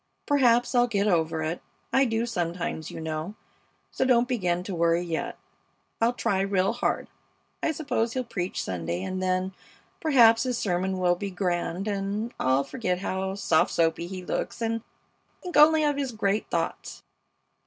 Perhaps I'll get over it. I do sometimes, you know, so don't begin to worry yet. I'll try real hard. I suppose he'll preach Sunday, and then, perhaps, his sermon will be grand and I'll forget how soft soapy he looks and think only of his great thoughts.